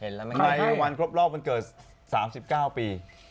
ในวันครบรอบวันเกิด๓๙ปี